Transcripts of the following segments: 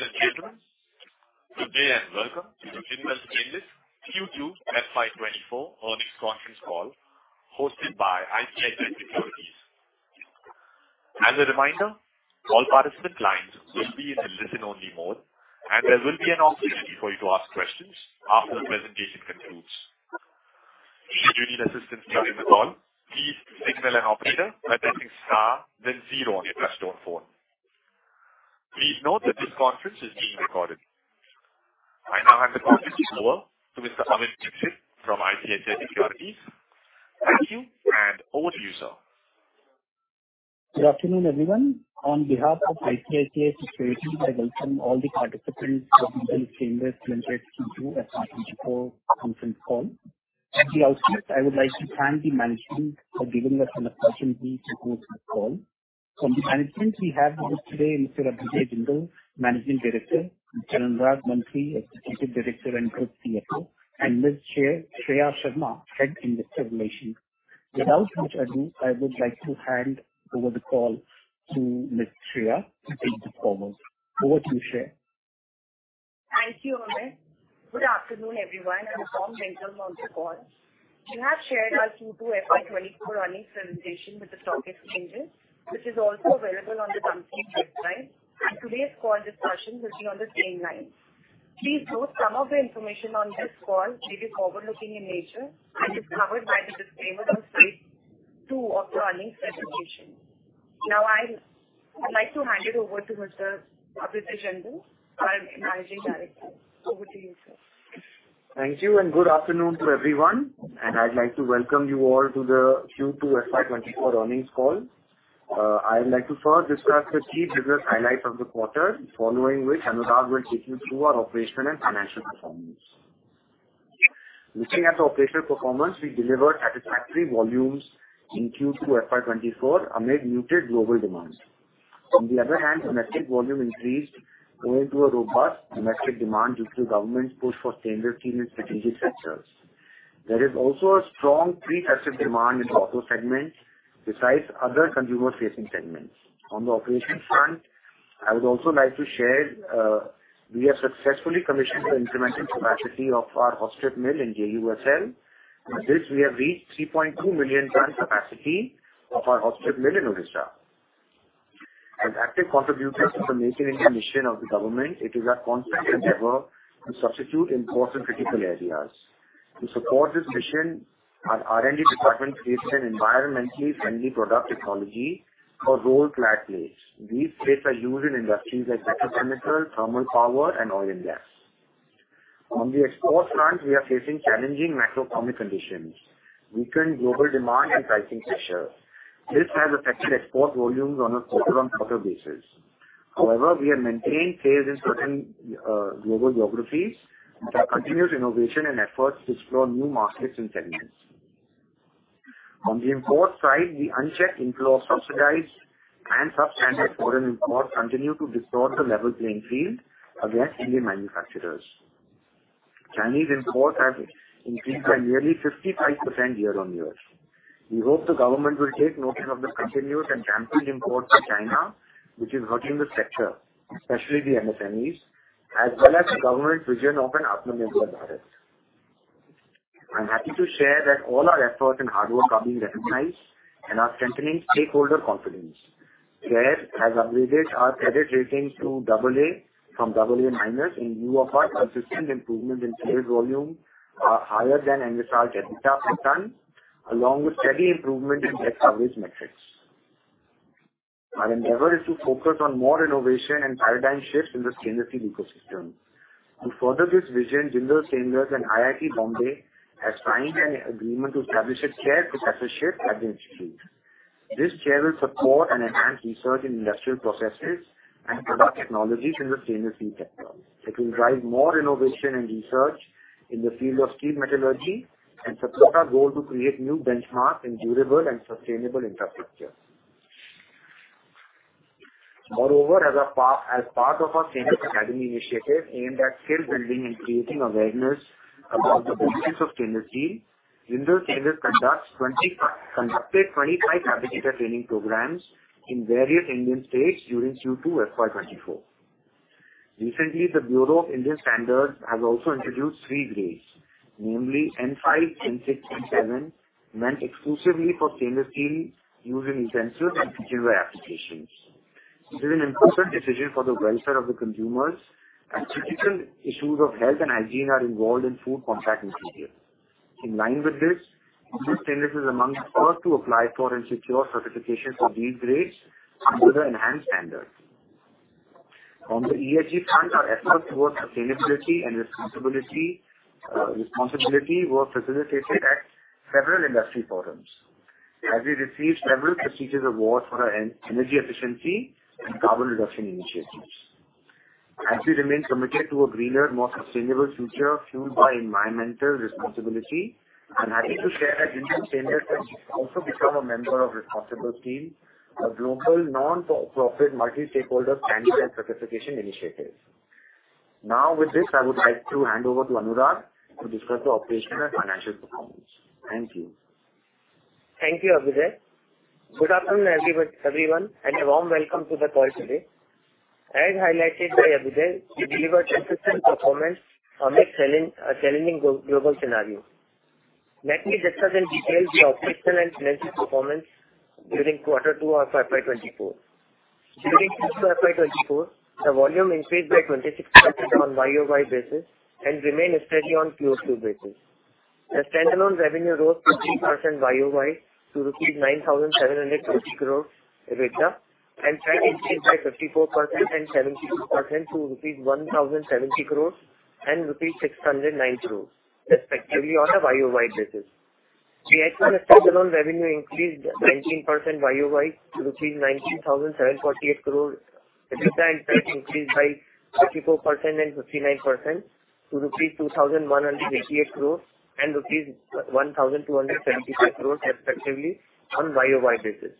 Ladies and gentlemen, good day and welcome to the Jindal Stainless Q2 FY2024 earnings conference call hosted by ICICI Securities. As a reminder, all participant lines will be in a listen-only mode, and there will be an opportunity for you to ask questions after the presentation concludes. If you need assistance during the call, please signal an operator by pressing star then zero on your touchtone phone. Please note that this conference is being recorded. I now hand the conference over to Mr. Amit Dixit from ICICI Securities. Thank you, and over to you, sir. Good afternoon, everyone. On behalf of ICICI Securities, I welcome all the participants of Jindal Stainless Q2 FY 2024 conference call. At the outset, I would like to thank the management for giving us an opportunity to host this call. From the management, we have with us today Mr. Abhyuday Jindal, Managing Director, Mr. Anurag Mantri, Executive Director and CFO, and Ms. Shreya Sharma, Head, Investor Relations. Without much ado, I would like to hand over the call to Ms. Shreya to take us forward. Over to you, Shreya. Thank you, Amit. Good afternoon, everyone, and a warm welcome on the call. We have shared our Q2 FY 2024 earnings presentation with the stock exchanges, which is also available on the website, and today's call discussion will be on the same line. Please note some of the information on this call may be forward-looking in nature and is covered by the disclaimer on page 2 of the earnings presentation. Now, I'd like to hand it over to Mr. Abhyuday Jindal, our Managing Director. Over to you, sir. Thank you, and good afternoon to everyone, and I'd like to welcome you all to the Q2 FY2024 earnings call. I would like to first discuss the key business highlights of the quarter, following which Anurag will take you through our operational and financial performance. Looking at the operational performance, we delivered satisfactory volumes in Q2 FY2024 amid muted global demand. On the other hand, domestic volume increased owing to a robust domestic demand due to government's push for stainless steel in strategic sectors. There is also a strong pre-festive demand in the auto segment, besides other consumer-facing segments. On the operations front, I would also like to share, we have successfully commissioned the incremental capacity of our Hot Strip Mill in JUSL. With this, we have reached 3.2 million ton capacity of our Hot Strip Mill in Odisha. As active contributors to the Make in India mission of the government, it is our constant endeavor to substitute imports in critical areas. To support this mission, our R&D department creates an environmentally friendly product technology for rolled flat plates. These plates are used in industries like petrochemical, thermal power, and oil and gas. On the export front, we are facing challenging macroeconomic conditions, weakened global demand, and pricing pressure. This has affected export volumes on a quarter-on-quarter basis. However, we have maintained sales in certain global geographies with our continuous innovation and efforts to explore new markets and segments. On the import side, the unchecked inflow of subsidized and substandard foreign imports continue to distort the level playing field against Indian manufacturers. Chinese imports have increased by nearly 55% year-on-year. We hope the government will take notice of the continuous and dumping imports from China, which is hurting the sector, especially the MSMEs, as well as the government's vision of an Atmanirbhar Bharat. I'm happy to share that all our efforts and hard work are being recognized and are strengthening stakeholder confidence. CARE has upgraded our credit ratings to AA from AA- in view of our consistent improvement in sales volume are higher than JSL EBITDA per ton, along with steady improvement in debt coverage metrics. Our endeavor is to focus on more innovation and paradigm shifts in the stainless steel ecosystem. To further this vision, Jindal Stainless and IIT Bombay has signed an agreement to establish a chair professorship at the institute. This chair will support and enhance research in industrial processes and product technologies in the stainless steel sector. It will drive more innovation and research in the field of steel metallurgy and support our goal to create new benchmarks in durable and sustainable infrastructure. Moreover, as part of our Stainless Academy initiative, aimed at skill building and creating awareness about the benefits of stainless steel, Jindal Stainless conducted 25 applicator training programs in various Indian states during Q2 FY 2024. Recently, the Bureau of Indian Standards has also introduced three grades, namely N5, N6, N7, meant exclusively for stainless steel used in utensils and cookware applications. This is an important decision for the welfare of the consumers, as critical issues of health and hygiene are involved in food contact materials. In line with this, Jindal Stainless is among the first to apply for and secure certification for these grades under the enhanced standard. On the ESG front, our efforts towards sustainability and responsibility were facilitated at several industry forums, as we received several prestigious awards for our energy efficiency and carbon reduction initiatives. As we remain committed to a greener, more sustainable future fueled by environmental responsibility, I'm happy to share that Jindal Stainless has also become a member of ResponsibleSteel, a global non-for-profit, multi-stakeholder standards certification initiative. Now, with this, I would like to hand over to Anurag to discuss the operational and financial performance. Thank you. Thank you, Abhyuday. Good afternoon, everyone, and a warm welcome to the call today. As highlighted by Abhyuday, we delivered consistent performance amid a challenging global scenario. Let me discuss in detail the operational and financial performance during quarter two of FY 2024. During FY 2024, the volume increased by 26% on YOY basis and remained steady on QOQ basis. The standalone revenue rose 50% YOY to INR 9,730 crore. EBITDA and profit increased by 54% and 72% to rupees 1,070 crore and rupees 609 crore, respectively on a YOY basis. The H1 standalone revenue increased 19% YOY to 19,748 crore. EBITDA increased by 54% and 59% to rupees 2,188 crore and rupees 1,275 crore, respectively on YOY basis.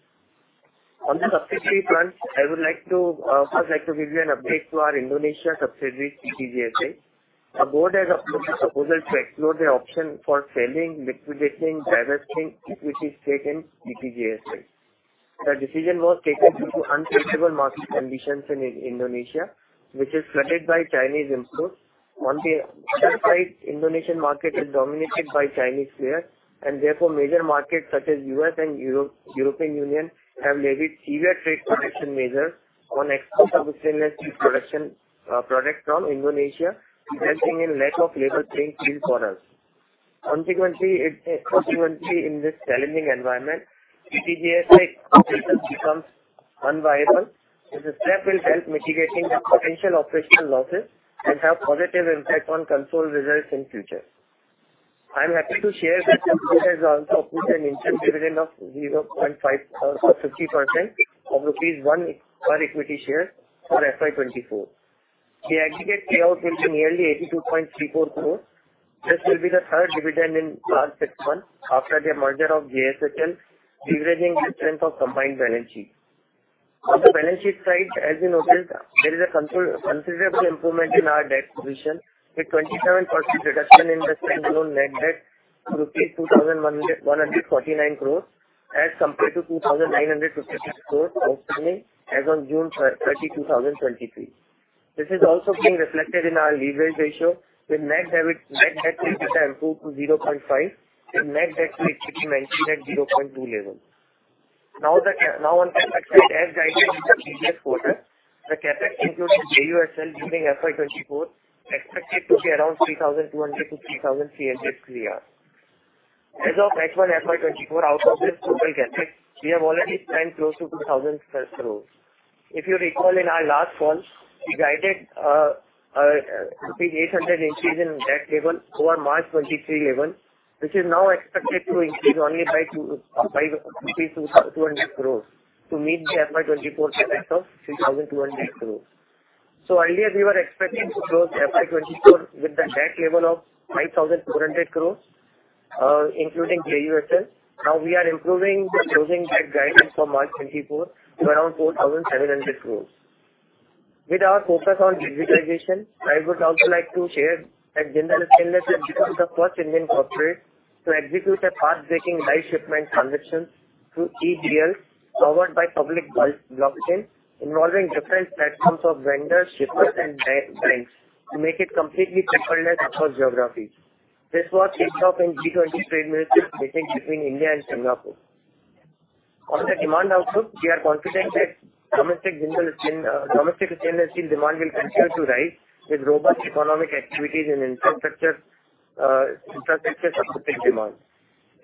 On the subsidiary front, I would first like to give you an update to our Indonesia subsidiary, PT JSI. Our Board has approved the proposal to explore the option for selling, liquidating, divesting equity stake in PT JSI. The decision was taken due to unfavorable market conditions in Indonesia, which is flooded by Chinese imports. On the other side, Indonesian market is dominated by Chinese players, and therefore, major markets such as U.S. and European Union have levied severe trade protection measures on export of stainless steel products from Indonesia, resulting in lack of level playing field for us. Consequently, in this challenging environment, PT JSI operation becomes unviable. This step will help mitigating the potential operational losses and have positive impact on control results in future. I'm happy to share that the board has also approved an interim dividend of 0.5 or 50% of rupees 1 per equity share for FY 2024. The aggregate payout will be nearly 82.34 crore. This will be the third dividend in last six months after the merger of JSL, leveraging the strength of combined balance sheet. On the balance sheet side, as you noticed, there is a considerable improvement in our debt position, with 27% reduction in the standalone net debt to rupees 2,149 crore, as compared to 2,950 crore opening as on June 30, 2023. This is also being reflected in our leverage ratio with net debt to EBITDA improved to 0.5 and net debt to equity maintained at 0.2 level. Now on CapEx side, as guided in the previous quarter, the CapEx, including JUSL during FY 2024, expected to be around 3,200 crore-3,300 crore. As of Q1 FY 2024, out of this total CapEx, we have already spent close to 2,000 crore. If you recall, in our last call, we guided 800 rupees increase in debt level over March 2023 level, which is now expected to increase only by 200 crore to meet the FY 2024 CapEx of 3,200 crore. Earlier we were expecting to close FY 2024 with the debt level of 5,200 crore, including JUSL. Now we are improving the closing debt guidance for March 2024 to around 4,700 crore. With our focus on digitalization, I would also like to share that Jindal Stainless has become the first Indian corporate to execute a pathbreaking live shipment transaction through e-BL, powered by public blockchain, involving different platforms of vendors, shippers, and banks to make it completely paperless across geographies. This was kicked off in G20 Trade Ministers meeting between India and Singapore. On the demand outlook, we are confident that domestic stainless steel demand will continue to rise with robust economic activities and infrastructure supporting demand.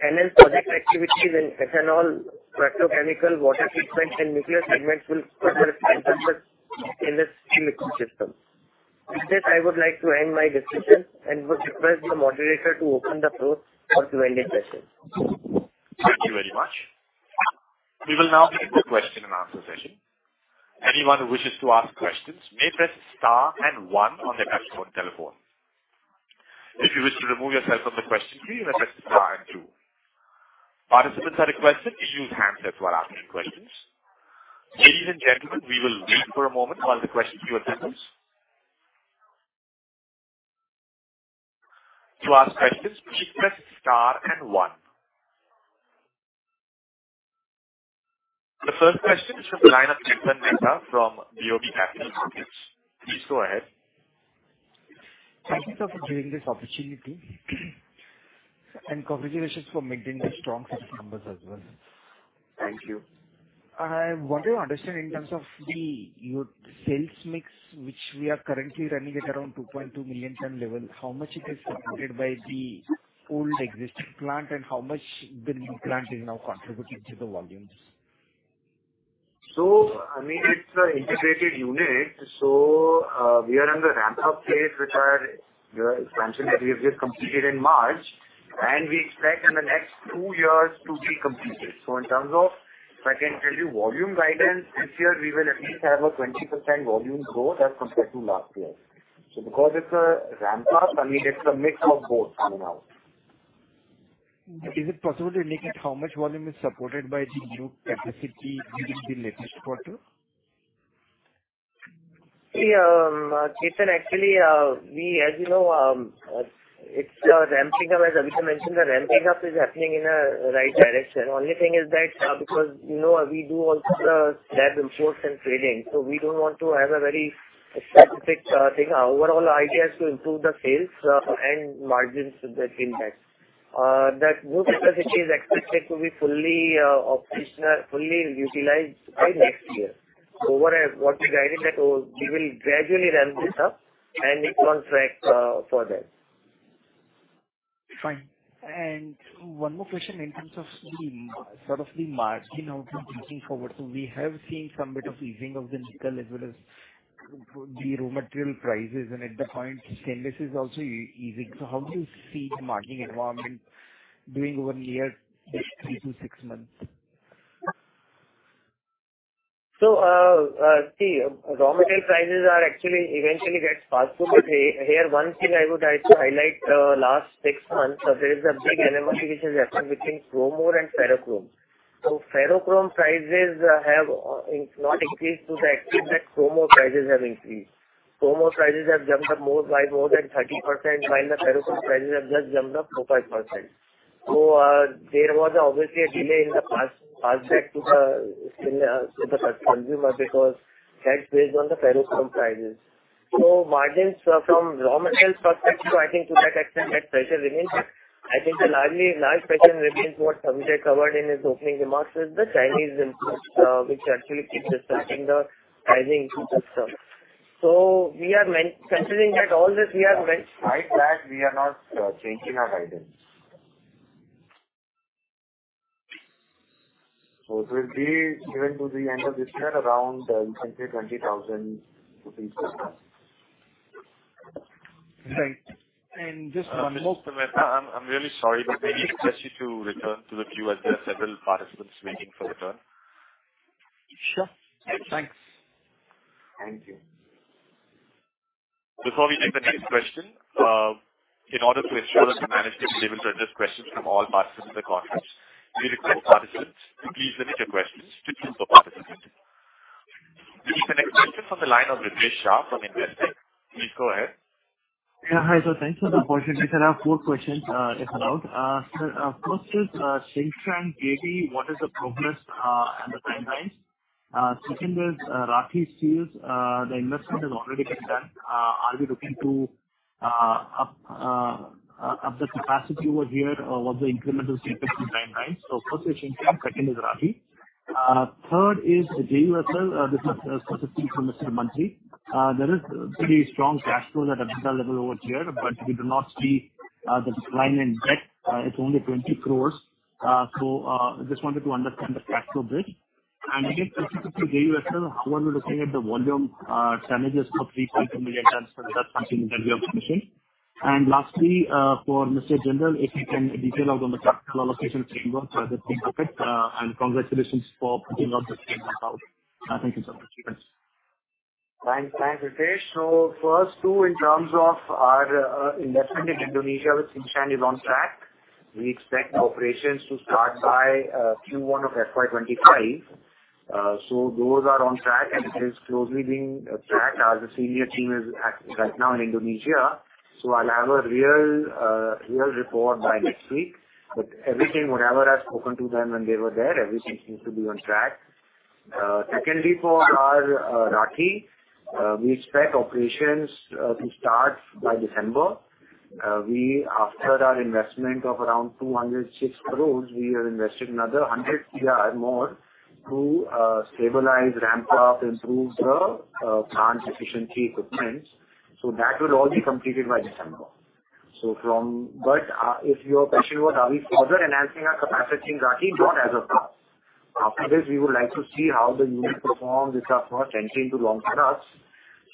New project activities in ethanol, petrochemical, water treatment, and nuclear segments will further strengthen in this ecosystem. With this, I would like to end my discussion and would request the moderator to open the floor for Q&A session. Thank you very much. We will now begin the question and answer session. Anyone who wishes to ask questions may press star and one on their smartphone telephone. If you wish to remove yourself from the question queue, you may press star and two. Participants are requested to use handset while asking questions. Ladies and gentlemen, we will wait for a moment while the questions queue attends. To ask questions, please press star and one. The first question is from Lina Jacob Mehta from BOB Capital Markets. Please go ahead. Thank you for giving this opportunity, and congratulations for maintaining the strong set of numbers as well. Thank you. I want to understand in terms of your sales mix, which we are currently running at around 2.2 million ton level, how much it is supported by the old existing plant and how much the new plant is now contributing to the volumes? I mean, it's a integrated unit. We are in the ramp-up phase, which are the expansion that we have just completed in March, and we expect in the next two years to be completed. In terms of, if I can tell you volume guidance, this year we will at least have a 20% volume growth as compared to last year. Because it's a ramp up, I mean, it's a mix of both coming out. Is it possible to indicate how much volume is supported by the new capacity during the latest quarter? See, Ketan, actually, we, as you know, it's ramping up, as Abhijit mentioned, the ramping up is happening in a right direction. Only thing is that, because, you know, we do also the slab imports and trading, so we don't want to have a very specific thing. Our overall idea is to improve the sales and margins with that impact. That new capacity is expected to be fully operational, fully utilized by next year. What we guided that we will gradually ramp this up and it's on track for that. Fine. One more question in terms of the, sort of, the margin outlook looking forward. We have seen some bit of easing of the metal as well as the raw material prices, and at the point, stainless is also easing. How do you see the margin environment doing over the year, say, three to six months? See, raw material prices are actually eventually get passed through. Here, here one thing I would like to highlight, last six months, so there is a big anomaly which has happened between chrome ore and ferrochrome. Ferrochrome prices have not increased to the extent that chrome ore prices have increased. Chrome ore prices have jumped up more by more than 30%, while the ferrochrome prices have just jumped up 4%-5%. There was obviously a delay in the pass back to the customer, because that's based on the ferrochrome prices. Margins from raw material perspective, I think to that extent, that pressure remains. I think the largely, large pressure remains what Sanjay covered in his opening remarks, is the Chinese imports, which actually keeps disrupting the pricing system. Considering that all this we are right, despite that, we are not changing our guidance. It will be given to the end of this year, around, you can say, 20 thousand rupees system. Right. Just one more- I'm really sorry, but may I ask you to return to the queue as there are several participants waiting for return? Sure. Thanks. Thank you. Before we take the next question, in order to ensure that we manage to be able to address questions from all participants in the conference, we request participants to please limit your questions to two per participant. The next question from the line of Ritesh Shah from Investec. Please go ahead. Yeah. Hi, sir. Thanks for the question. I have four questions if allowed. Sir, first is Tsingshan JV, what is the progress and the timelines? Second is Rathi Steels, the investment has already been done. Are we looking to up the capacity over here, or what the incremental capacity timelines? First is Shinchan, second is Rathi. Third is JUSL. This is specifically from Mr. Mantri. There is pretty strong cash flow that at level over here, but we do not see the decline in debt. It's only 20 crore. I just wanted to understand the cash flow bit. Again, specifically JUSL, how are we looking at the volume challenges for pre-sale from the advance from that point in terms of commission? Lastly, for Mr. the team on board." * Sentence 2: "Thank you so much." * In Sentence 1, "Jindal" is the first word. No starter conjunction. * In Sentence 2, "Thank" is the first word. No starte Thanks. Thanks, Ritesh. First two, in terms of our investment in Indonesia with Tsingshan is on track. We expect operations to start by Q1 of FY 2025. Those are on track and it is closely being tracked as the senior team is at right now in Indonesia. I'll have a real report by next week. Everything, whatever I've spoken to them when they were there, everything seems to be on track. Secondly, for our Rathi, we expect operations to start by December. After our investment of around 206 crore, we have invested another 100 crore or more to stabilize, ramp up, improve the plant efficiency equipments. That will all be completed by December. If your question was, are we further enhancing our capacity in Rathi? Not as of now. After this, we would like to see how the unit performs. It's not 10 years too long for us.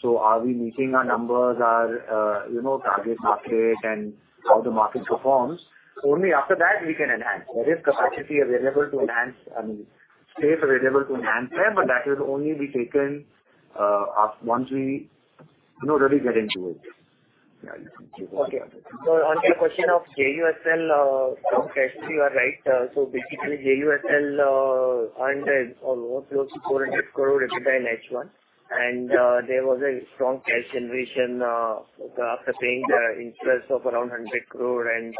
Are we meeting our numbers, our, you know, target market and how the market performs? Only after that we can enhance. There is capacity available to enhance, I mean, space available to enhance there, but that will only be taken once we, you know, really get into it. On your question of JUSL from cash, you are right. Basically, JUSL earned almost close to 400 crore EBITDA in H1, and there was a strong cash generation after paying the interest of around 100 crore and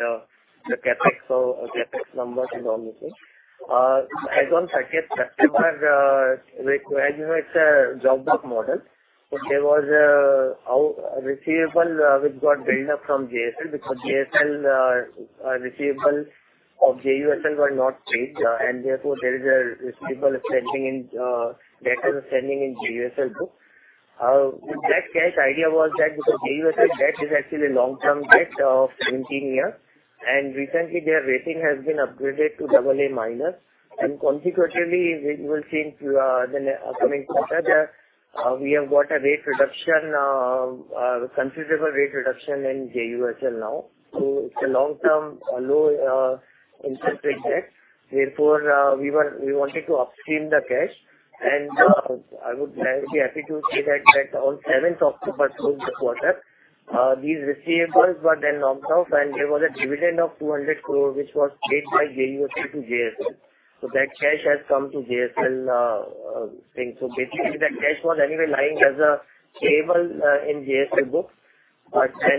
the CapEx, CapEx numbers and all the things. As on second customer, as you know, it's a job work model. There was a receivable which got built up from JSL because JSL receivables of JUSL were not paid, and therefore, there is a receivable extending in debtors extending in JUSL book. With that cash, the idea was that because JUSL debt is actually long-term debt of 17 years, and recently their rating has been upgraded to AA-. Consequently, we will see in the coming quarter that we have got a rate reduction, considerable rate reduction in JUSL now. It's a long-term, low, interest rate debt. Therefore, we wanted to upstream the cash, and I would be happy to say that on 7th October, during the quarter, these receivables were then knocked off and there was a dividend of 200 crore, which was paid by JUSL to JSL. That cash has come to JSL thing. Basically, that cash was anyway lying as a payable in JSL books.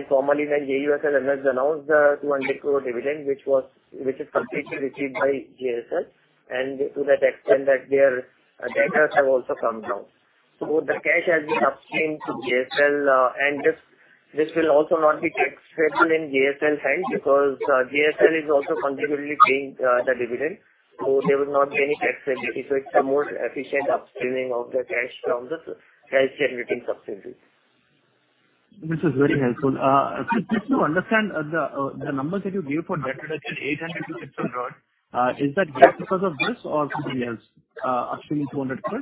Formally, when JUSL announced the 200 crore dividend, which is completely received by JSL, and to that extent that their debtors have also come down. The cash has been upstreamed to JSL, and this will also not be taxable in JSL side, because JSL is also considerably paying the dividend, so there will not be any tax benefit. It's a more efficient upstreaming of the cash from the cash generating subsidiary. This is very helpful. Just to understand the numbers that you gave for debt reduction, 800 crore-600 crore, is that just because of this or something else, actually 200 crore?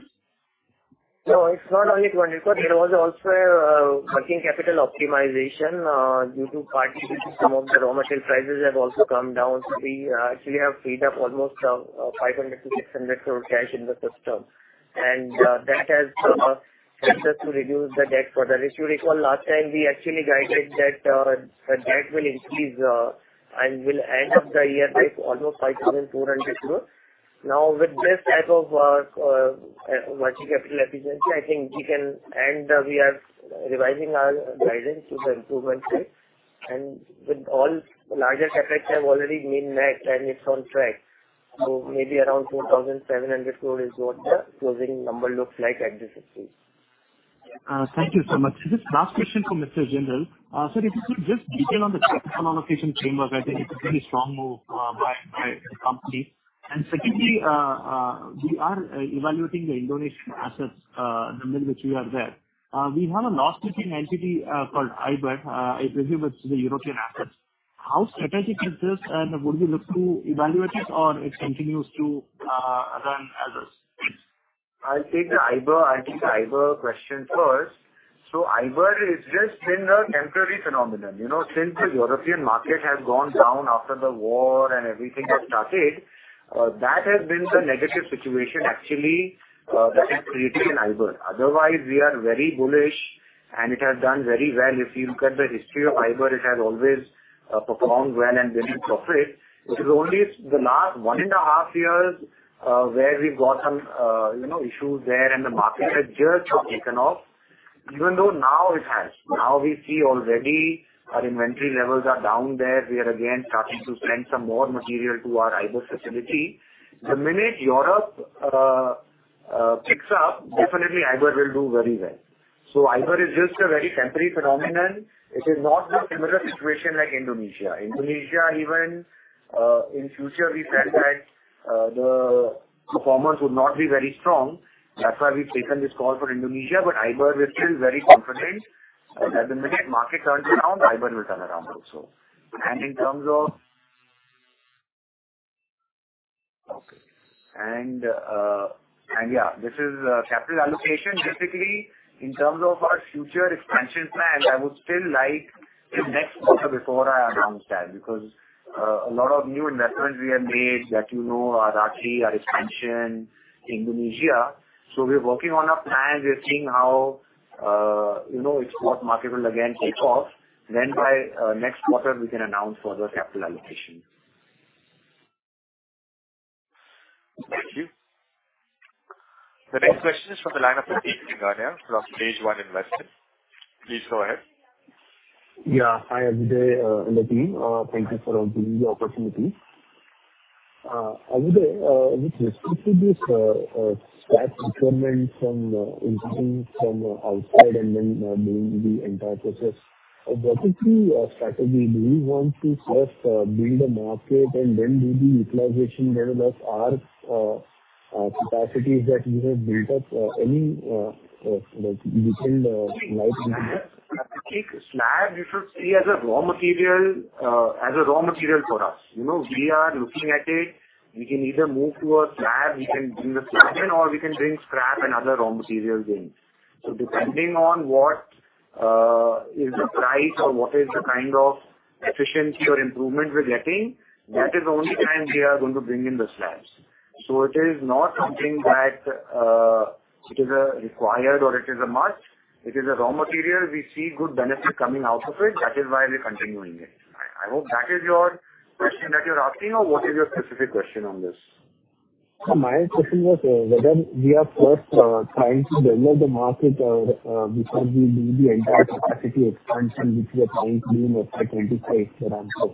No, it's not only 200 crore. There was also a working capital optimization due to partly some of the raw material prices have also come down. We actually have freed up almost 500 crore-600 crore cash in the system. That has helped us to reduce the debt further. If you recall, last time we actually guided that the debt will increase and will end up the year by almost 5,200 crore. Now, with this type of working capital efficiency, I think we can... We are revising our guidance to the improvement side. With all larger CapEx have already been met and it's on track. Maybe around 4,700 crore is what the closing number looks like at this stage. Thank you so much. Just last question from Mr. Jindal. Sir, if you could just detail on the capital allocation framework, I think it's a very strong move by the company. Secondly, we are evaluating the Indonesian assets in which we are there. We have a loss-making entity called Iberjindal. I believe it's the European assets. How strategic is this, and would you look to evaluate it or it continues to run as is? I'll take the Iber, I'll take the Iber question first. Iber is just been a temporary phenomenon. You know, since the European market has gone down after the war and everything has started, that has been the negative situation actually, that is creating an Iber. Otherwise, we are very bullish, and it has done very well. If you look at the history of Iber, it has always performed well and very profit. It is only the last one and a half years where we've got some, you know, issues there, and the market has just taken off. Even though now it has, now we see already our inventory levels are down there. We are again starting to send some more material to our Iber facility. The minute Europe picks up, definitely Iber will do very well. Iber is just a very temporary phenomenon. It is not the similar situation like Indonesia. Indonesia, even in future, we said that the performance would not be very strong. That's why we've taken this call for Indonesia. Iber, we're still very confident. The minute market turns around, Iber will turn around also. In terms of... Okay. Yeah, this is capital allocation. Basically, in terms of our future expansion plan, I would still like the next quarter before I announce that, because a lot of new investments we have made, that you know, are actually our expansion Indonesia. We're working on a plan. We are seeing how, you know, export market will again take off. By next quarter, we can announce further capital allocation. Thank you. The next question is from the line of Atique Langa from Stage One Investment. Please go ahead. Yeah. Hi, Abhyuday and the team. Thank you for giving me the opportunity. Abhyuday, with respect to this scrap procurement from importing from outside and then doing the entire process, what is the strategy? Do you want to first build the market and then do the utilization level of our capacities that you have built up, like within the last year? I think slab, we should see as a raw material, as a raw material for us. You know, we are looking at it. We can either move to a slab, we can bring the slab in, or we can bring scrap and other raw materials in. Depending on what is the price or what is the kind of efficiency or improvement we're getting, that is the only time we are going to bring in the slabs. It is not something that it is a required or it is a must. It is a raw material. We see good benefit coming out of it. That is why we're continuing it. I hope that is your question that you're asking, or what is your specific question on this? My question was whether we are first trying to develop the market before we do the entire capacity expansion, which we are trying to do in the 2025 calendar.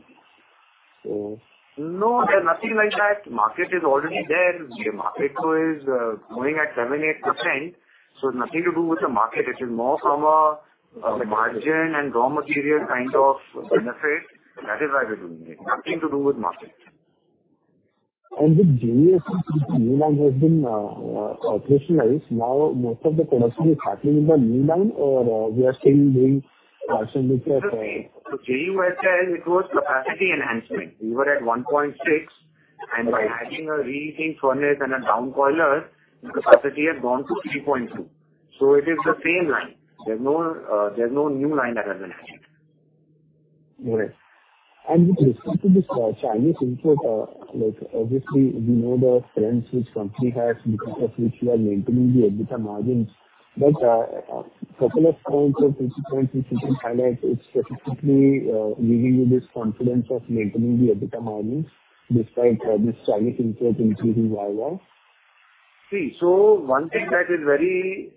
No, there's nothing like that. Market is already there. The market grow is growing at 7%-8%, so it's nothing to do with the market. It is more from a margin and raw material kind of benefit. That is why we're doing it. Nothing to do with market. With JUSL, new line has been operationalized. Now, most of the production is happening in the new line, or we are still doing partial mixture? JUSL, it was capacity enhancement. We were at 1.6, and by adding a reheating furnace and a down coiler, the capacity has gone to 3.2. It is the same line. There's no new line that has been added. Correct. With respect to this Chinese input, like obviously we know the strengths which company has, because of which you are maintaining the EBITDA margins. A couple of points or three points which you can highlight, it's specifically giving you this confidence of maintaining the EBITDA margins despite this Chinese input increasing Y-O-Y? One thing that is very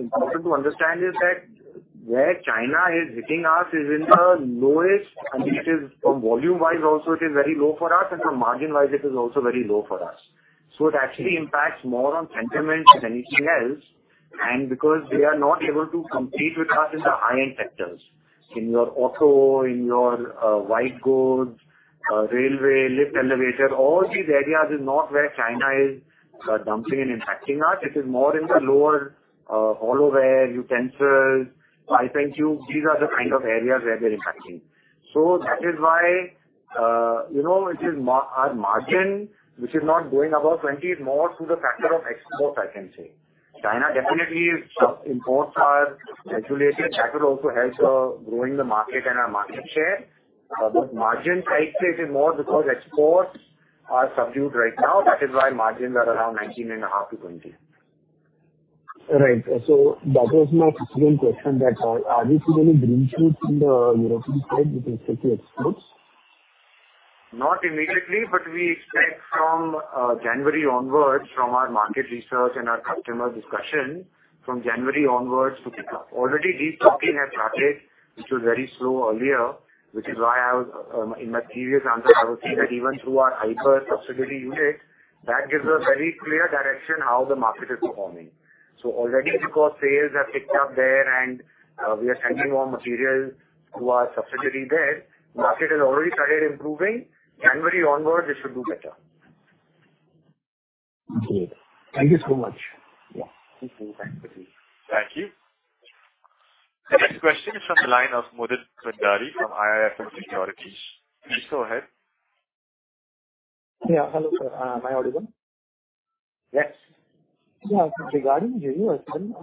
important to understand is that where China is hitting us is in the lowest, and it is from volume-wise also it is very low for us, and from margin-wise, it is also very low for us. It actually impacts more on sentiment than anything else, and because they are not able to compete with us in the high-end sectors. In your auto, in your white goods, railway, lift, elevator, all these areas is not where China is dumping and impacting us. It is more in the lower, all over utensils, pipe and tube. These are the kind of areas where they're impacting. That is why, you know, it is our margin, which is not going above 20, is more through the factor of export, I can say. China definitely imports are undulating. That will also help growing the market and our market share. Margin side, it is more because exports are subdued right now. That is why margins are around 19.5-20. Right. That was my second question, that are we seeing any green shoots in the European side with respect to exports? Not immediately, but we expect from January onwards, from our market research and our customer discussion, from January onwards to pick up. Already this stocking has started, which was very slow earlier, which is why I was, in my previous answer, I would say that even through our Iberjindal subsidiary unit, that gives us very clear direction how the market is performing. Already because sales have picked up there and we are sending more material to our subsidiary there, market has already started improving. January onwards, it should do better. Okay. Thank you so much. Yeah. Thank you. Thank you. The next question is from the line of Mudit Mandari from IIFL Securities. Please go ahead. Yeah, hello, sir. Am I audible? Yes. Yeah, regarding JUSL,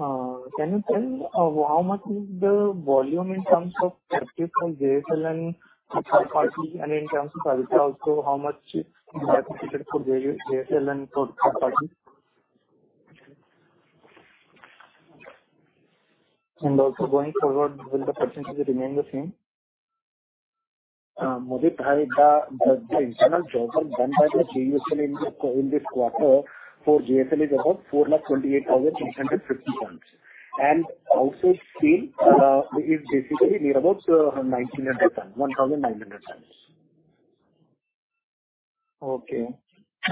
can you tell how much is the volume in terms of purchase from JSL and third party, and in terms of EBITDA also, how much is dedicated for JSL and for third party? Also going forward, will the % remain the same? is about 428,850 tons. Outside sale is basically about 1,900 tons, 1,900 tons." Is there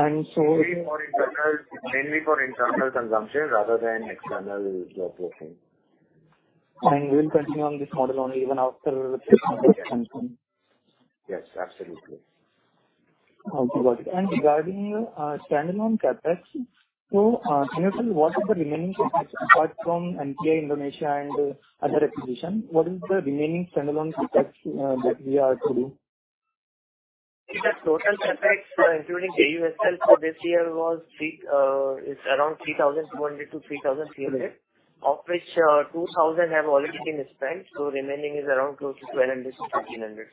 any other filler? "Uh, Mudit" -> "Mudit" "the, the, the" -> "the" "in this, in this" -> "in this" "uh" -> removed "uh" -> removed Okay. Mainly for internal consumption rather than external processing. We'll continue on this model only even after this model comes in? Yes, absolutely. Okay, got it. Regarding standalone CapEx, can you tell me what is the remaining CapEx apart from NPI, Indonesia, and other acquisition, what is the remaining standalone CapEx that we are to do? The total CapEx, including JUSL, for this year was. It's around 3,200 crore-3,300 crore, of which 2,000 crore have already been spent, so remaining is around close to 1,200 crore-1,300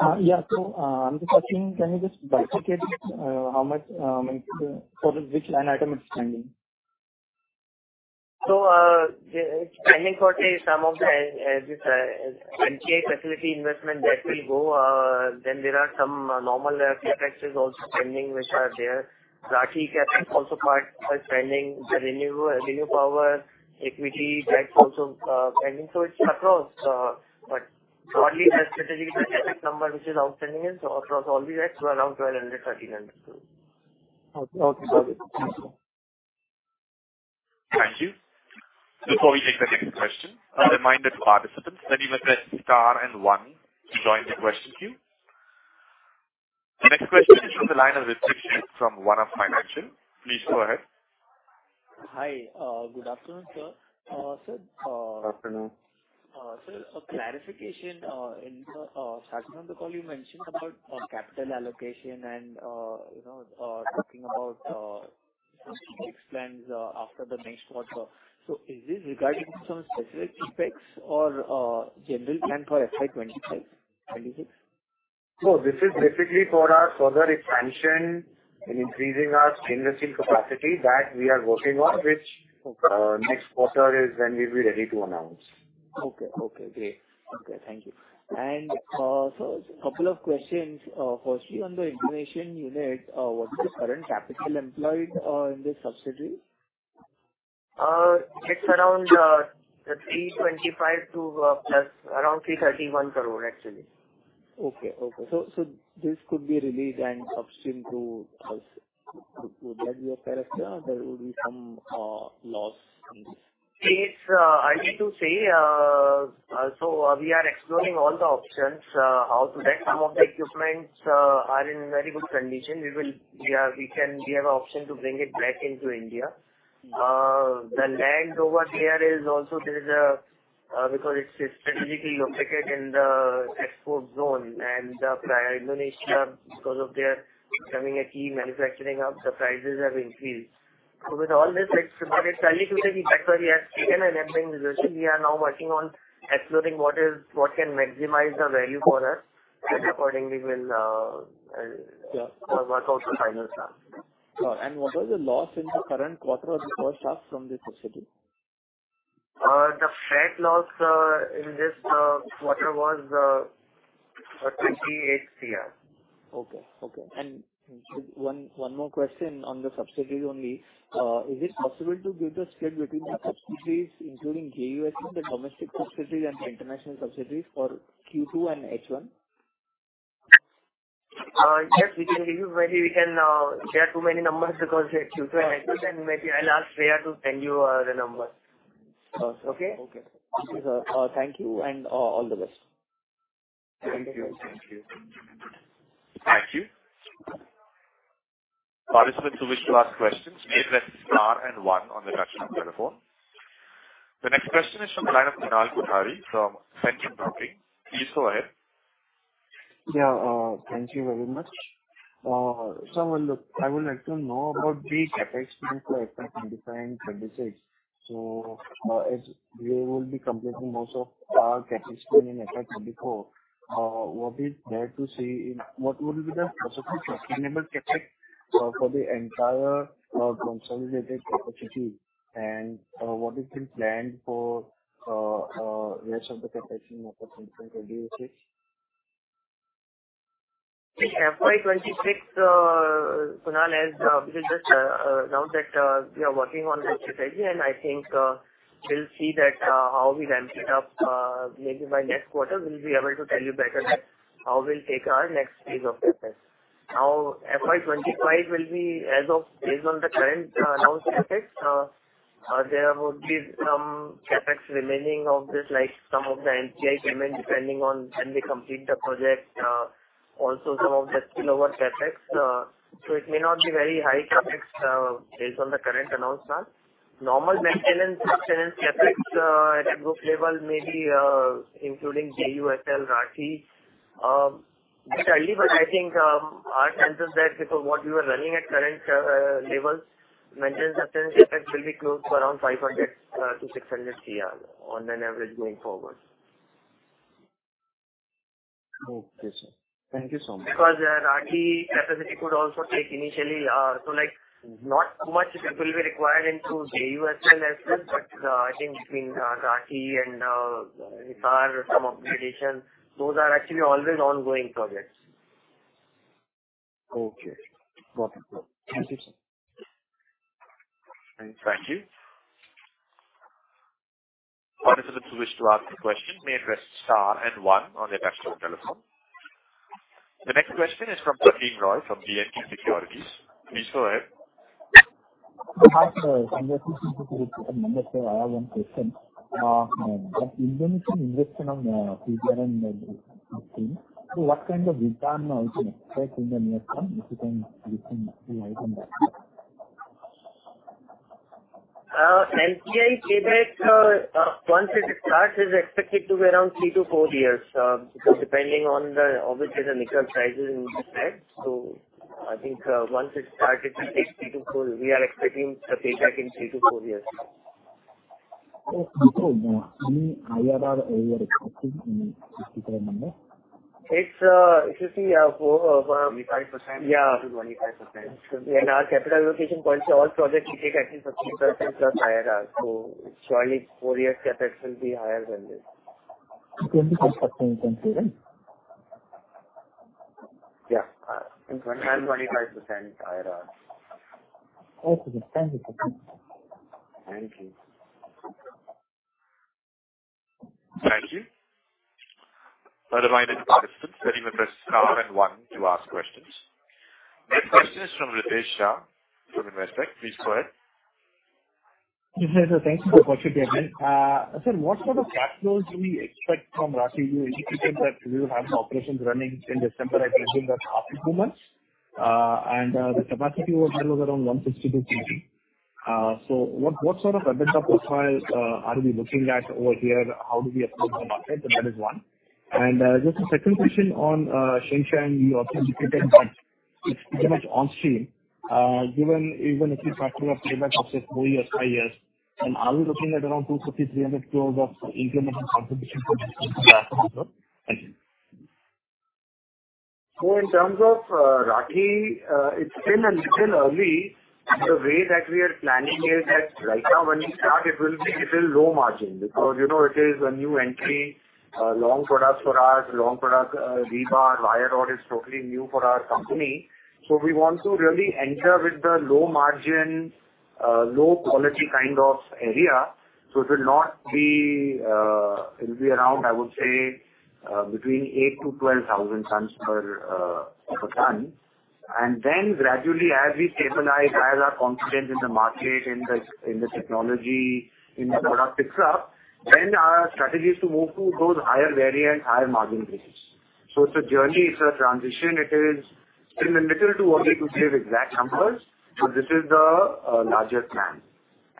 crore. Yeah. I'm just asking, can you just bifurcate how much for which item it's standing? The standing for some of the NPI facility investment, that will go, then there are some normal CapExes also pending, which are there. Rathi CapEx also part is pending, the ReNew Power equity, that's also pending. It's across, but broadly, the strategic CapEx number which is outstanding is across all the reps, around INR 1,200-INR 1,300. Okay. Okay, got it. Thank you. Before we take the next question, a reminder to participants that you can press star and one to join the question queue. The next question is from the line of Rishikesh from Vana Financial. Please go ahead. Hi. Good afternoon, sir. Afternoon. Sir, a clarification, in the starting of the call, you mentioned about capital allocation and, you know, talking about plans after the next quarter. Is this regarding some specific CapEx or general plan for FY 2025-2026? No, this is basically for our further expansion in increasing our stainless steel capacity that we are working on, which- Okay. Next quarter is when we'll be ready to announce. Okay. Okay, great. Okay, thank you. Couple of questions. Firstly, on the Indonesia unit, what's the current capital employed in this subsidiary? It's around INR 325 crore-plus around 331 crore, actually. Okay. Okay. This could be released and upstream to us. Would that be a fair estimate, or there would be some loss in this? some of the equipments, are in very good condition." * No, that's worse. * "I need to say we are exploring all the options how to get some of the equipments that are in very good condition." * But "that" is not there. * "I need to say we are exploring all the options how to get some of the equipments are in very good condition." * Wait, "The land over there is also, because it's strategically located in the export zone and the Indonesia, because of their becoming a key manufacturing. Yeah. Work out the final sum. What was the loss in the current quarter or first half from this subsidiary? The fair loss in this quarter was 28 crore. Okay, okay. One more question on the subsidiaries only. Is it possible to give the split between the subsidiaries, including JUSL, the domestic subsidiaries, and the international subsidiaries for Q2 and H1? Yes, we can give you. Maybe we can share too many numbers because Q2 and H1, and maybe I'll ask Shreya to send you the numbers. Okay. Okay? Okay. Thank you and all the best. Thank you. Thank you. Thank you. Participants who wish to ask questions may press star and one on their touch-tone telephone. The next question is from the line of Kunal Kothari from Centrum Broking. Please go ahead. Yeah, thank you very much. Look, I would like to know about the CapEx in different strategies. As we will be completing most of our CapEx in FY 2024, what is there to see in-- what will be the possible sustainable CapEx for the entire consolidated capacity? What has been planned for rest of the CapEx in FY 2026? Yeah, FY 2026, Kunal, as we just announced that we are working on the strategy, and I think we'll see that how we ramp it up. Maybe by next quarter, we'll be able to tell you better that how we'll take our next phase of CapEx. Now, FY 2025 will be as of, based on the current announced CapEx. There would be some CapEx remaining of this, like some of the NPI payment, depending on when we complete the project. Also some of the spillover CapEx. It may not be very high CapEx based on the current announcement. Normal maintenance, maintenance CapEx at a group level, maybe including JUSL, Rathi. I think our sense is that before what you are running at current levels, maintenance and sustainability CapEx will be close to around 500 crore-600 crore on an average going forward. Okay, sir. Thank you so much. Because the Rathi capacity could also take initially, so, like, not too much capital will be required into JUSL as such, but I think between Rathi and some of the additions, those are actually always ongoing projects. Okay. Wonderful. Thank you, sir. Thank you. Participants who wish to ask a question may press star and 1 on their touch-tone telephone. The next question is from Praveen Roy, from BNT Securities. Please go ahead. Hi, sir. I'm listening to the member, so I have one question. The implementation investment on PTGSA and upstream, so what kind of return are you expect in the near term, if you can give me the item? NPI payback, once it starts, is expected to be around three years-four years because depending on the ore and the nickel sizes in the pad. I think once it starts, it will take three-four. We are expecting the payback in three years-four years. Okay, any IRR you are expecting in this particular number? It's if you see for. Twenty-five percent. Yeah. Up to 25%. In our capital allocation policy, all projects should take at least a 30%+ IRR. Surely four years CapEx will be higher than this. It will be construction, you can say, right? Yeah. 25% IRR. Okay. Thank you. Thank you. Thank you. A reminder to participants that you may press star and one to ask questions. Next question is from Ritesh Shah from Investec. Please go ahead. Yes, sir. Thank you for the opportunity. Sir, what sort of CapEx do we expect from Rathi? You indicated that we will have the operations running in December. I believe that's after two months. The capacity over there was around 162 million. What sort of EBITDA profile are we looking at over here? How do we approach the market? That is one. Just a second question on Tsingshan and you also indicated that it's pretty much onstream. Given, even if you factor your payback of say, 4 years-5 years, are we looking at around 250-300 kilos of incremental contribution from Rathi, sir? Thank you. In terms of Rathi, it's still a little early. The way that we are planning is that right now, when we start, it will be little low margin, because, you know, it is a new entry, long products for us, long product, rebar, wire rod is totally new for our company. We want to really enter with the low margin, low quality kind of area. It will be around, I would say, between 8 thousand-12 thousand tons per ton. Gradually, as we stabilize, as our confidence in the market, in the technology, in the product picks up, then our strategy is to move to those higher variant, higher margin business. It's a journey, it's a transition. It is, it's a little too early to give exact numbers, so this is the larger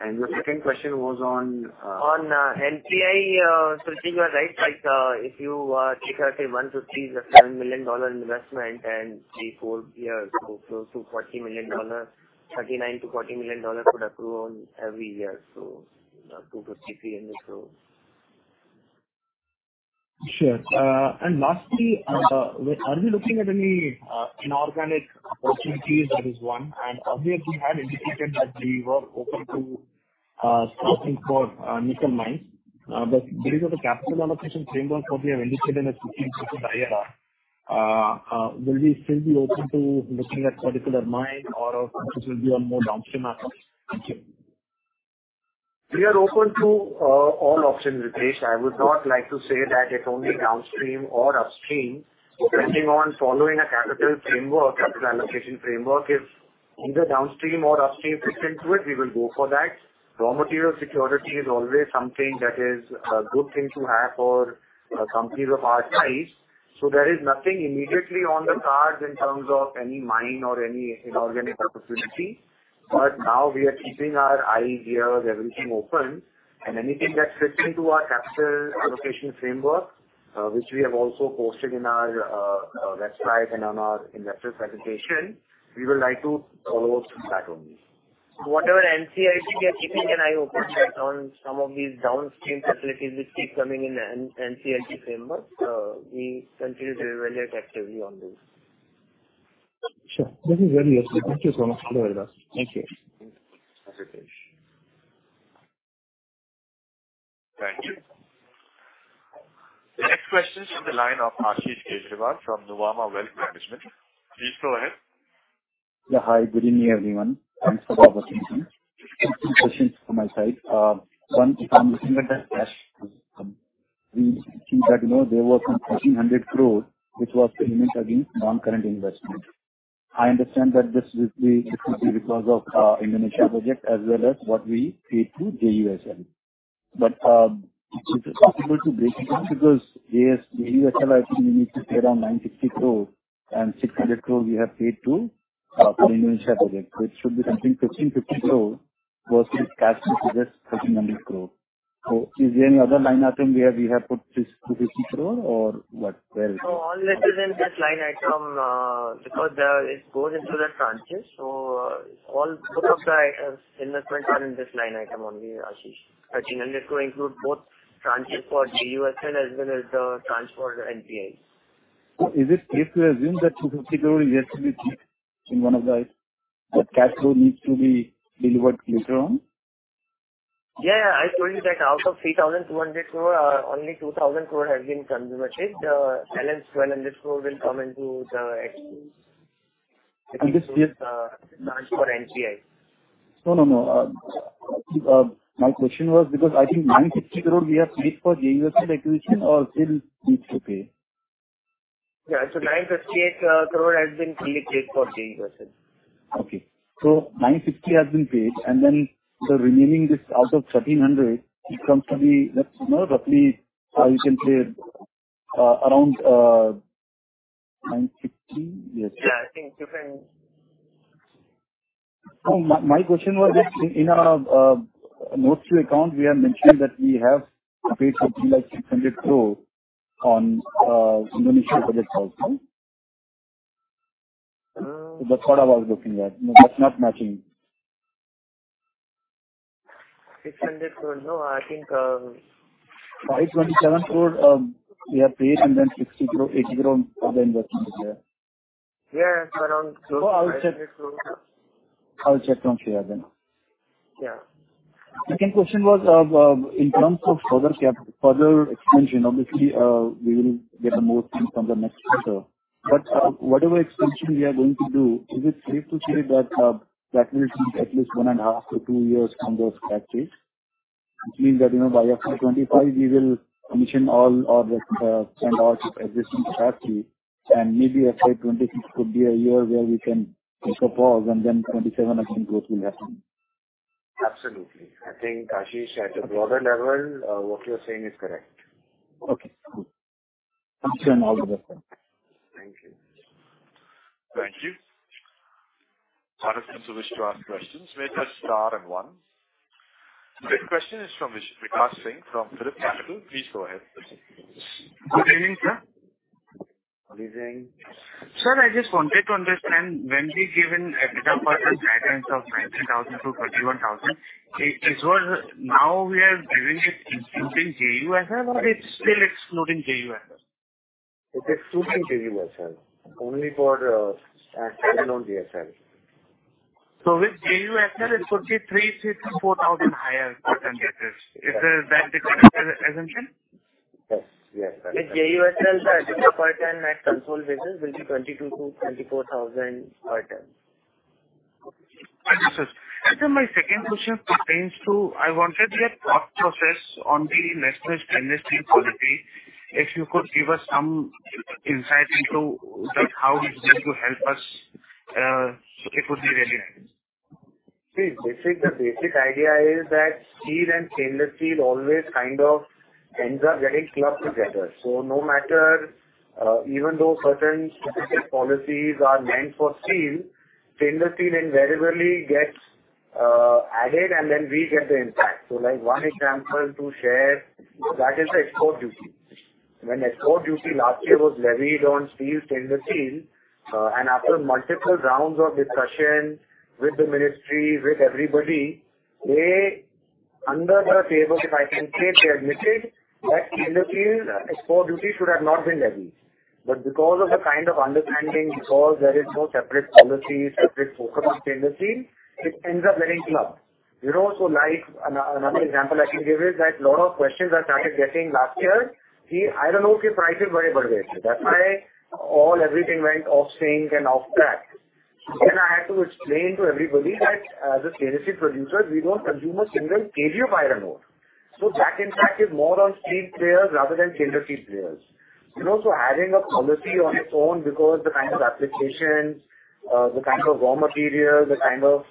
picture. The second question was on. On NPI, Ritesh, you are right. Like, if you take out, say, $150 or $7 million investment, and 3 years-4 years go close to $40 million, $39 million-$40 million could have grown every year, so 250-300 crore. Sure. Lastly, are we looking at any inorganic opportunities? That is one. Earlier we had indicated that we were open to sourcing for nickel mines. Because of the capital allocation framework that we have indicated in the 18 second IR, will we still be open to looking at particular mine, or it will be on more downstream assets? Thank you. We are open to all options, Ritesh. I would not like to say that it's only downstream or upstream. Depending on following a capital framework, capital allocation framework, if either downstream or upstream fits into it, we will go for that. Raw material security is always something that is a good thing to have for companies of our size. There is nothing immediately on the cards in terms of any mine or any inorganic opportunity. Now we are keeping our eyes, ears, everything open, and anything that fits into our capital allocation framework, which we have also posted in our website and on our investor presentation, we would like to follow that only. Whatever NPI, we are keeping an eye open on some of these downstream facilities which keep coming in NCLT framework. We continue to evaluate actively on this. Sure. This is very useful. Thank you so much. Thank you. Thank you, Ritesh. Thank you. The next question is from the line of Ashish Keshav from Nuvama Wealth Management. Please go ahead. Yeah, hi. Good evening, everyone. Thanks for the opportunity. Two questions from my side. One, if I'm looking at the cash, we think that, you know, there was some 1,300 crore, which was limited in non-current investment. I understand that this will be because of Indonesia project as well as what we paid to JUSL. Because JUSL, I think we need to pay around 960 crore and 600 crore we have paid for Indonesia project. It should be something 1,550 crore versus cash, which is just 1,300 crore. Is there any other line item where we have put this 15 crore or what? Where is it? All this is in this line item because it goes into the trenches. All both of the items, investments are in this line item only, Ashish. INR 1,300 crore include both transit for JUSL as well as the transfer NPI. Is it safe to assume that 250 crore is yet to be paid in one of the items, but cash flow needs to be delivered later on? Yeah, I told you that out of 3,200 crore, only 2,000 crore has been consumed. The balance 1,200 crore will come into the next for NPI. No, no, no. My question was because I think 960 crore we have paid for JUSL acquisition or still needs to pay? Yeah. 968 crore has been fully paid for JUSL. Okay. 960 has been paid, and then the remaining this out of 1,300, it comes to be, let's know, roughly, you can say, around 960. Yes. Yeah, I think you can. No, my question was this. In our Note 2 account, we have mentioned that we have paid something like 600 crore on Indonesia project also. Mm. That's what I was looking at. That's not matching. 600 crore? No, I think- 527 crore we have paid, and then 60 crore, 80 crore on the investment is there. Yeah, it's around. I'll check. I'll check from here then. Yeah. Second question was in terms of further expansion. Obviously, we will get more things from the next quarter. Whatever expansion we are going to do, is it safe to say that that will be at least 1.5 years-2 years from those factories? Which means that, you know, by FY 2025, we will commission all of the and all existing factory, and maybe FY 2026 could be a year where we can take a pause, and then 2027 again growth will happen. Absolutely. I think, Ashish, at a broader level, what you're saying is correct. Okay, cool. Thank you and all the best. Thank you. Thank you. Participants who wish to ask questions may press star and 1. The next question is from Vikas Singh from PhillipCapital. Please go ahead. Good evening, sir. Good evening. I'll remove the first "is". * Final check on "Sir, I just wanted to understand". "Sir, I just wanted to understand, when w It's excluding JUSL. Only for alone JSL. With JUSL, it should be 3 thousand-4 thousand higher per ton gases. Is that the correct assumption? Yes. Yes. With JUSL, the EBITDA per ton at consol business will be 22 thousand-24 thousand per ton. Thank you, sir. Sir, my second question pertains to I wanted a thought process on the stainless steel policy. If you could give us some insight into, like, how it's going to help us, it would be really nice. See, the basic idea is that steel and stainless steel always kind of ends up getting clubbed together. No matter, even though certain specific policies are meant for steel, stainless steel invariably gets added, and then we get the impact. Like one example to share, that is the export duty. When export duty last year was levied on steel, stainless steel, and after multiple rounds of discussion with the ministry, with everybody, they under the table, if I can say, they admitted that stainless steel export duty should have not been levied. Because of the kind of understanding, because there is no separate policy, separate focus on stainless steel, it ends up getting clubbed. You know, so like, another example I can give is that a lot of questions I started getting last year, I don't know if your prices, that's why all everything went off sync and off track. I had to explain to everybody that as a stainless steel producer, we don't consume a single kg of iron ore. That impact is more on steel players rather than stainless steel players. You know, so having a policy on its own because the kind of applications, the kind of raw material, the kind of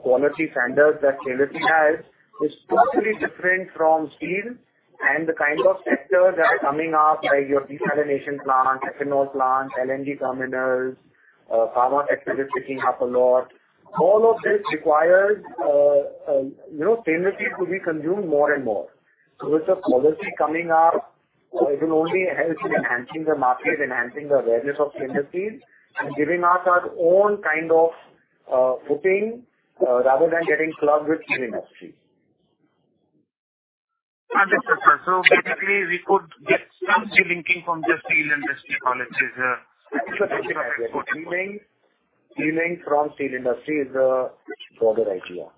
quality standards that stainless steel has, is totally different from steel and the kind of sectors that are coming up, like your desalination plant, ethanol plant, LNG terminals, power sector is picking up a lot. All of this requires, you know, stainless steel to be consumed more and more. With the policy coming up, it will only help in enhancing the market, enhancing the awareness of stainless steel, and giving us our own kind of footing rather than getting clubbed with steel industry. Understood, sir. Basically, we could get some delinking from the steel industry policies. Delinking from steel industry is a broader idea.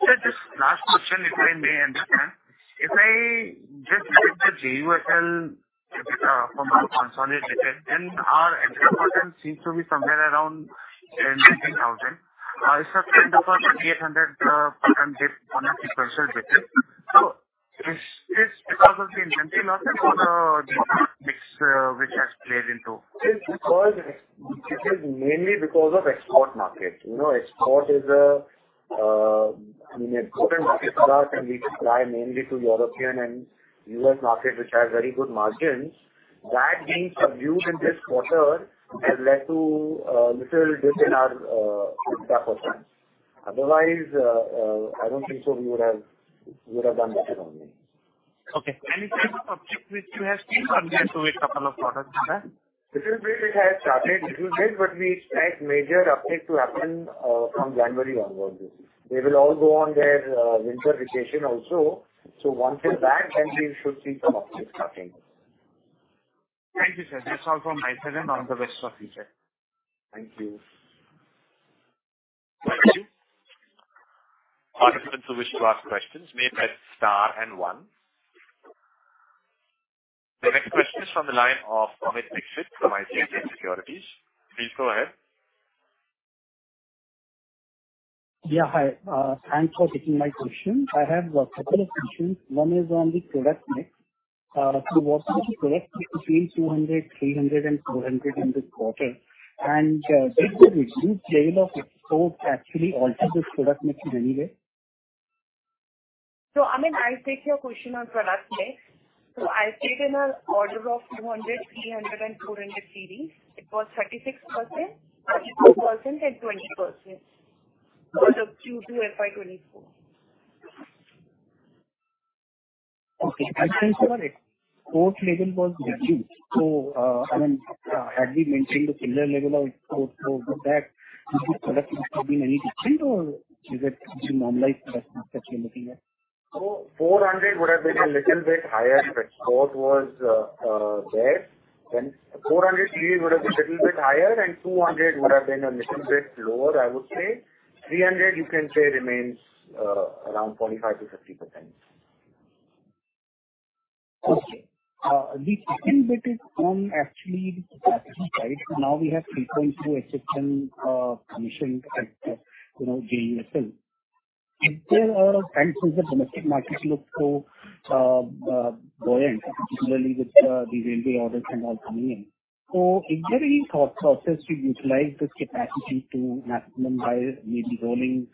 Sir, just last question, if I may understand. If I just look at the JUSL from a consolidated, then our EBITDA margin seems to be somewhere around 10, 19,000. It's up to about 2,800% dip on a sequential basis. Is this because of the inventory loss or which has played into? It is mainly because of export market. You know, export is a, I mean, export markets are, and we supply mainly to European and U.S. market, which have very good margins. That being subdued in this quarter has led to little dip in our EBITDA percentage. Otherwise, I don't think so. We would have done better on it. Okay. Any kind of uptick which you have seen on there so with couple of products, sir? Little bit it has started, little bit, but we expect major uptick to happen from January onwards. They will all go on their winter vacation also. Once they're back, then we should see some uptick starting. Thank you, sir. That's all from my side, and all the best for future. Thank you. Thank you. Participants who wish to ask questions may press star and one. The next question is from the line of Amit Dixit from ICICI Securities. Please go ahead. Yeah, hi. Thanks for taking my question. I have a couple of questions. One is on the product mix. What is the product mix between 200, 300, and 400 in this quarter? Did the reduced level of export actually alter this product mix in any way? Amit, I'll take your question on product mix. I've taken in order of 200, 300, and 400 series. It was 36%, 32%, and 20% for the Q2 FY 2024. Okay. Since our export level was reduced, so, I mean, had we maintained the similar level of export for that, would the product mix have been any different, or is it some normalized product mix that you're looking at? "400 CD" in the second, they might be distinguishing between the 400 series in general and a specific type of 400. * If "CD" is "CR" (Cold Rolled), then "400 CR" makes sense. * But "series" also makes sense. * Actually, "400 series" is often just called "400s". * I'll use "series". It's the most common term in this context. * Wait, I'll search for "400 series" and "400 CR Okay. The second bit is on actually the capacity side. Now we have 3.2 HSM commissioned at, you know, JUSL. Is there a time since the domestic markets look so buoyant, particularly with the railway orders and all coming in? Is there any thought process to utilize this capacity to maximum by maybe rolling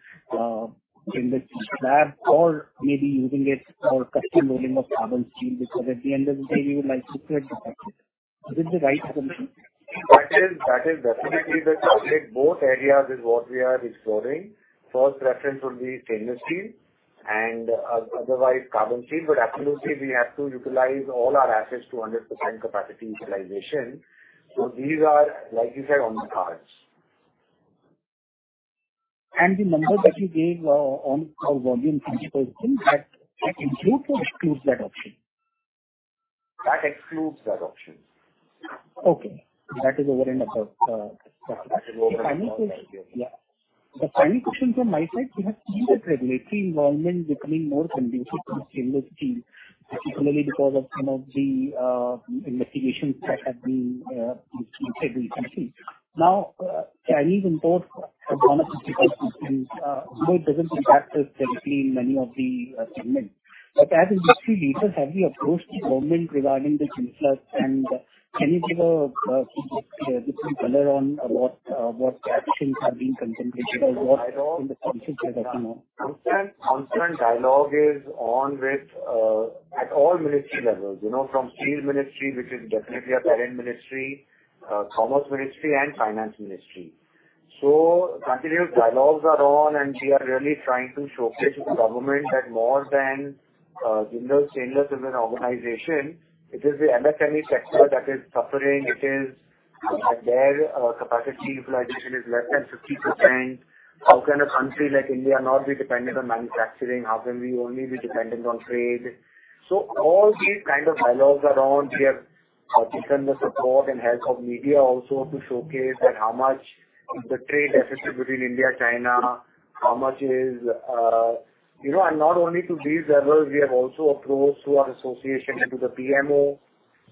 in the slab or maybe using it for custom rolling of carbon steel, because at the end of the day, you would like to create the capacity? Is this the right assumption? That is, that is definitely the topic. Both areas is what we are exploring. First preference would be stainless steel and otherwise carbon steel, but absolutely, we have to utilize all our assets to 100% capacity utilization. These are, like you said, on the cards. The number that you gave on a volume perspective, that includes or excludes that option? That excludes that option. Okay. That is what we're in about. The final question. Yeah. The final question from my side. We have seen the regulatory environment becoming more conducive to the stainless steel, particularly because of some of the investigations that have been instituted in the country. Now, Chinese imports have gone up significantly, though it doesn't impact us directly in many of the segments. But as industry leaders, have you approached the government regarding this influx, and can you give a little color on what actions have been contemplated or what in the process is happening? Constant, constant dialogue is on with at all ministry levels, you know, from Steel Ministry, which is definitely a parent ministry, Commerce Ministry and Finance Ministry. Continuous dialogues are on, and we are really trying to showcase to the government that more than Jindal Steel is an organization, it is the MSME sector that is suffering. Their capacity utilization is less than 50%. How can a country like India not be dependent on manufacturing? How can we only be dependent on trade? All these kind of dialogues are on. We have taken the support and help of media also to showcase that how much is the trade deficit between India and China, how much is... You know, and not only to these levels, we have also approached through our association to the PMO.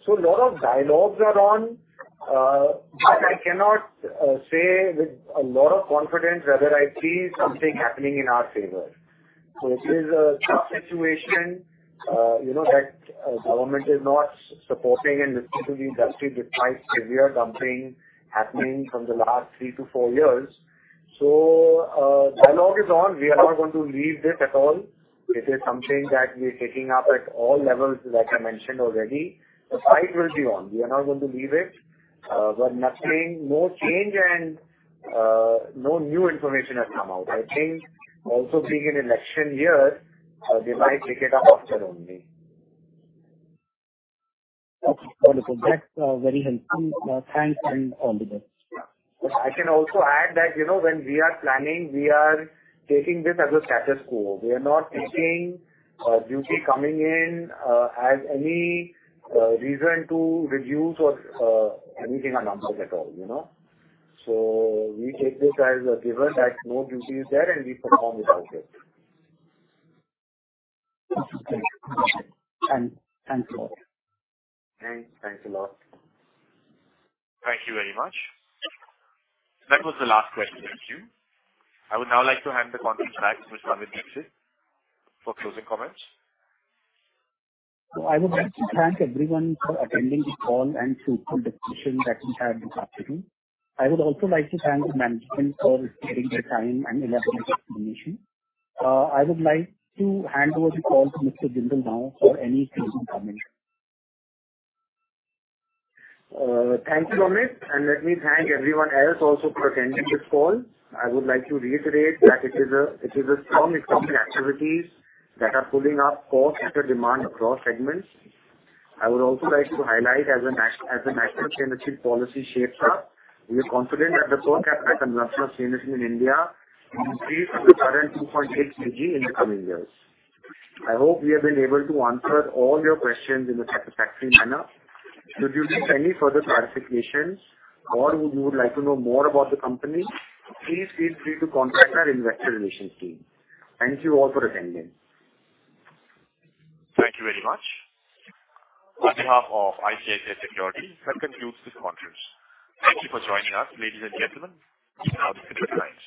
A lot of dialogues are on, but I cannot say with a lot of confidence whether I see something happening in our favor. It is a tough situation, you know, that government is not supporting and listening to the industry despite severe dumping happening from the last 3 years-4 years. Dialogue is on. We are not going to leave this at all. It is something that we are taking up at all levels, like I mentioned already. The fight will be on. We are not going to leave it, but nothing, no change and no new information has come out. I think also being an election year, they might take it up after only. Okay, wonderful. That's very helpful. Thanks, and all the best. I can also add that, you know, when we are planning, we are taking this as a status quo. We are not taking duty coming in as any reason to reduce or anything our numbers at all, you know? We take this as a given, that no duty is there, and we perform without it. Okay, got it. Thanks a lot. Thanks. Thanks a lot. Thank you very much. That was the last question. Thank you. I would now like to hand the conference back to Mr. Amit Dixit for closing comments. I would like to thank everyone for attending the call and fruitful discussion that we had this afternoon. I would also like to thank the management for taking the time and elaborate explanation. I would like to hand over the call to Mr. Jindal now for any closing comments. Thank you, Amit, and let me thank everyone else also for attending this call. I would like to reiterate that it is a strong economic activities that are pulling up core sector demand across segments. I would also like to highlight as the National Energy Policy shapes up, we are confident that the per capita consumption of stainless steel in India will increase from the current 2.8 kg in the coming years. I hope we have been able to answer all your questions in a satisfactory manner. Should you need any further clarifications or you would like to know more about the company, please feel free to contact our Investor Relations team. Thank you all for attending. Thank you very much. On behalf of ICICI Securities, that concludes this conference. Thank you for joining us, ladies and gentlemen. You may now disconnect.